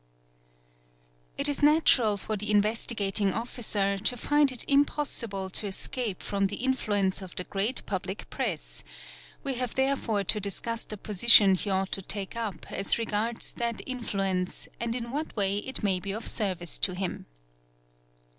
It is natural for the Investigating Officer to find it impossible to escape from the influence of the great power wielded by the Public Press ; we have therefore to discuss the position he ought to take up as regards that influence and in what way it may be of service to him.